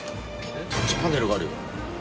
タッチパネルがあるよ。